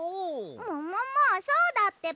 もももそうだってば！